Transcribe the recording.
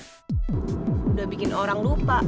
sudah membuat orang lupa